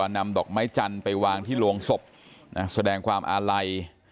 นำดอกไม้จันทร์ไปวางที่โรงศพแสดงความอาลัย